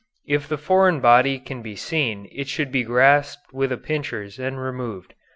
If the foreign body can be seen it should be grasped with a pincers and removed.